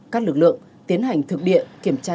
các lực lượng tiến hành thực địa kiểm tra